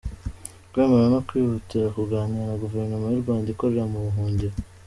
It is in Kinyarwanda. «Kwemera no kwihutira kuganira na Guverinoma y’u Rwanda ikorera mu buhungiro».